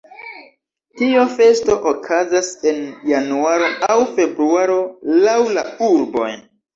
Tiu festo okazas en januaro aŭ februaro laŭ la urboj.